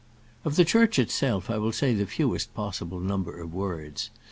Of the church itself I will say the fewest possible number of words.